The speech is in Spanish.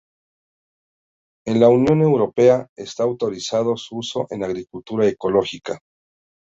En la Unión Europea está autorizado su uso en agricultura ecológica.